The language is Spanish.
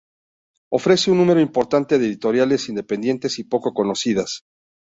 Ofrece un número importante de editoriales independientes y poco conocidas.